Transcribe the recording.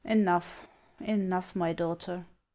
" Enough, enough, my daughter